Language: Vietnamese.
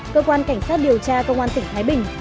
cơ quan cảnh sát điều tra cơ quan tỉnh thái bình